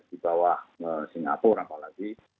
di bawah singapura apalagi